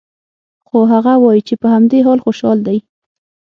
خو هغه وايي چې په همدې حال خوشحال دی